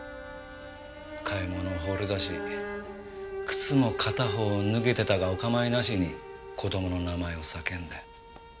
買い物を放り出し靴も片方脱げてたがお構いなしに子供の名前を叫んで。